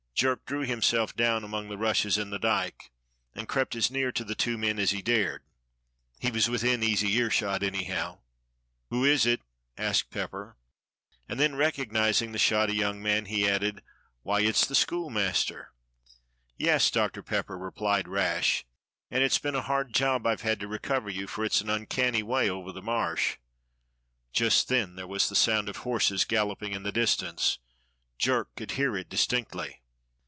Jerk drew himself down among the rushes in the dyke and crept as near to the two men as he dared; he was within easy earshot, anyhow. "Who is it?" asked Pepper; and then, recognizing the shoddy young man, he added: "Why, it's the school master!" "Yes, Doctor Pepper," replied Rash, "and it's been a hard job I've had to recover you, for it's an uncanny way over the Marsh." Just then there was the sound of horses galloping in the distance, Jerk could hear it distinctly.